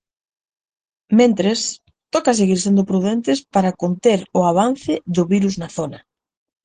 Mentres, toca seguir sendo prudentes para conter o avance do virus na zona.